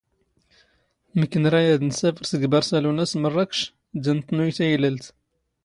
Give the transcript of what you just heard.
ⵎⴽ ⵏⵔⴰ ⴰⴷ ⵏⵙⴰⴼⵔ ⵙⴳ ⴱⴰⵔⵙⴰⵍⵓⵏⴰ ⵙ ⵎⵔⵔⴰⴽⵛ, ⴷⴰ ⵏⵜⵜⵏⵓⵢ ⵜⴰⵢⵍⴰⵍⵜ.